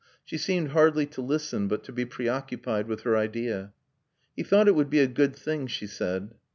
She seemed hardly to listen but to be preoccupied with her idea. "He thought it would be a good thing," she said.